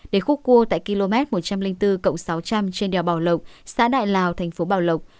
để khúc cua tại km một trăm linh bốn sáu trăm linh trên đèo bảo lộc xã đại lào thành phố bảo lộc